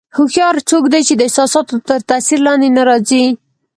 هوښیار څوک دی چې د احساساتو تر تاثیر لاندې نه راځي.